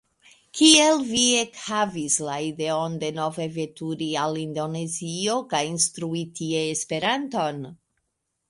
Kiel vi ekhavis la ideon denove veturi al Indonezio kaj instrui tie Esperanton?